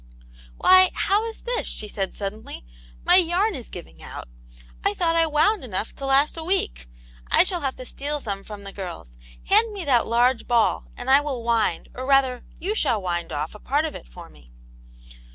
" Why, how is this ?" she said, suddenly, " my yam is giving out ! I thought I wound enough to last a week. I shall have to steal some from the girls. Hand me that large ball, and I will wind, or rather you shall wind off, a part of it for me.